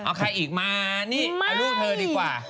เอาใครอีกมานี่เอาลูกเธอดีกว่า